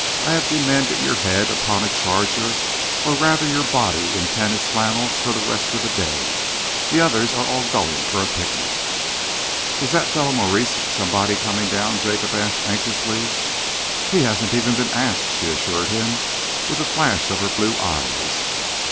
"I have demanded your head upon a charger or rather your body in tennis flannels for the rest of the day. The others are all going for a picnic." "Is that fellow Maurice somebody coming down?" Jacob asked anxiously. "He hasn't even been asked," she assured him, with a flash of her blue eyes.